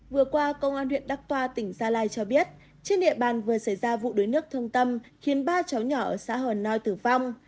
vừa qua công an huyện đắc toa tỉnh gia lai cho biết trên địa bàn vừa xảy ra vụ đuối nước thương tâm khiến ba cháu nhỏ ở xã hờ nòi tử vong